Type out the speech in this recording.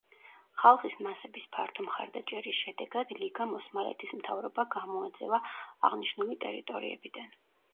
ხალხის მასების ფართო მხარდაჭერის შედეგად ლიგამ ოსმალეთის მთავრობა გამოაძევა აღნიშნული ტერიტორიებიდან.